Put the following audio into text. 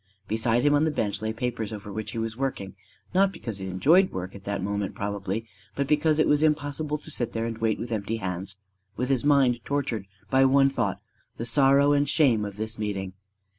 Beside him on the bench lay papers over which he was working not because he enjoyed work at that moment probably, but because it was impossible to sit there and wait with empty hands with his mind tortured by one thought, the sorrow and shame of this meeting.